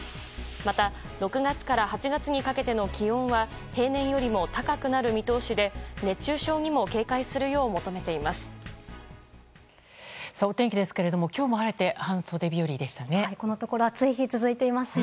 また、６月から８月にかけての気温は平年よりも高くなる見通しで熱中症にも警戒するよう求めています。